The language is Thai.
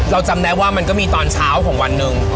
จำได้ว่ามันก็มีตอนเช้าของวันหนึ่ง